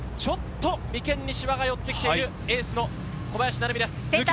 ちょっと眉間にしわが寄ってきているエースの小林成美です。